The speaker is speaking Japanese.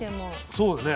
そうだね。